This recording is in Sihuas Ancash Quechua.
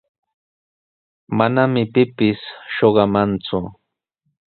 Manami pipis shuqamanku.